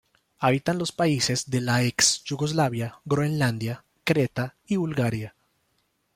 Habita en los países de la ex Yugoslavia y Groenlandia, Creta y Bulgaria.